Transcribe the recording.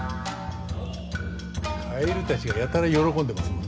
蛙たちがやたら喜んでますもんね。